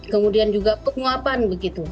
kemudian juga penguapan begitu